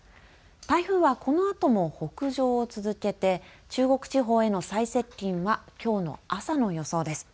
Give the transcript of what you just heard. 台風はこのあとも北上を続けて中国地方への最接近はきょうの朝の予想です。